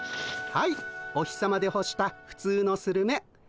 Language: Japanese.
はいお日さまでほしたふつうのスルメ。